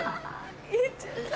言っちゃった。